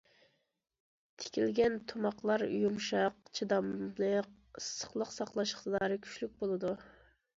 تىكىلگەن تۇماقلار يۇمشاق، چىداملىق، ئىسسىقلىق ساقلاش ئىقتىدارى كۈچلۈك بولىدۇ.